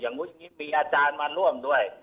อย่างนี้มีอาจารย์มาร่วมด้วย